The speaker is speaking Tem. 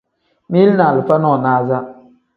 Mili ni alifa nonaza.